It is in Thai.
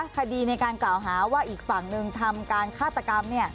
คดีในการกล่าวหาว่าอีกฝั่งหนึ่งทำการฆาตกรรม